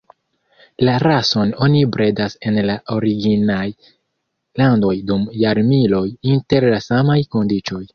La rason oni bredas en la originaj landoj dum jarmiloj inter la samaj kondiĉoj.